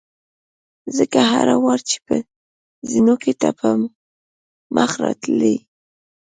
ځکه هر وار چې به په زینو کې ته په مخه راتلې.